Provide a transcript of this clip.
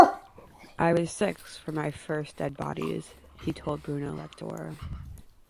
"I was six for my first dead bodies," he told Bruno Latour.